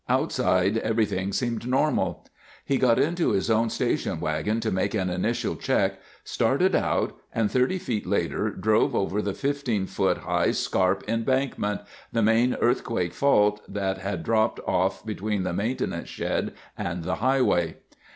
Outside everything seemed normal. He got into his own station wagon to make an initial check, started out, and 30 feet later drove over the 15 feet high scarp embankment—the main earthquake fault that had dropped off between the maintenance shed and the highway.